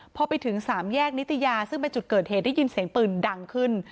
พอไปถึงสามแยกนิตยาซึ่งเป็นจุดเกิดเหตุได้ยินเสียงปืนดังขึ้น